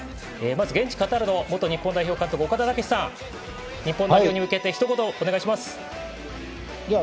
現地カタールの元日本代表監督岡田武史さん、日本代表に向けてひと言お願いします。